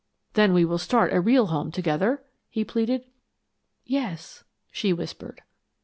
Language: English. "Then we will start a real home together?" he pleaded. "Yes," she whispered.